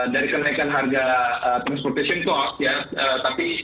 dari kenaikan harga transportation cost ya